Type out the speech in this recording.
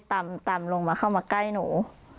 ตามลงมาเข้ามาใกล้หนู